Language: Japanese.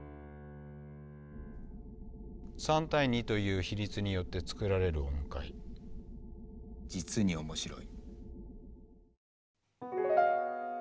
３対２という比率によって作られる音階実に面白い。